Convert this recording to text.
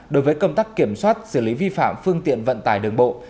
đối với công tác kiểm soát xử lý vi phạm phương tiện vận tải đường bộ